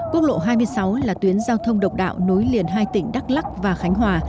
quốc lộ hai mươi sáu là tuyến giao thông độc đạo nối liền hai tỉnh đắk lắc và khánh hòa